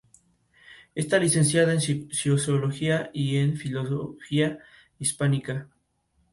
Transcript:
En trece municipios, ningún partido obtuvo la mayoría.